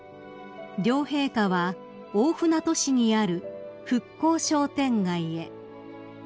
［両陛下は大船渡市にある復興商店街へ］